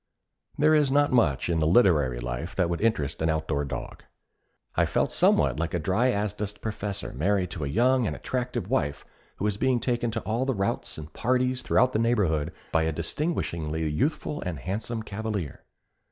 There is not much in the literary life that would interest an outdoor dog. I felt somewhat like a dry as dust professor married to a young and attractive wife who is being taken to all the routs and parties throughout the neighborhood by a disgustingly youthful and handsome cavalier.